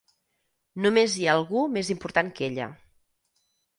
Només hi ha algú més important que ella.